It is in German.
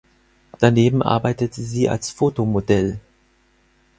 Daneben arbeitete sie als Fotomodell.